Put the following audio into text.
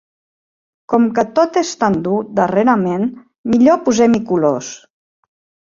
Com que tot és tan dur darrerament, millor posem-hi colors.